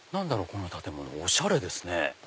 この建物おしゃれですね。